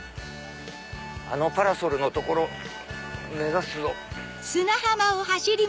あのパラソルの所目指すぞ。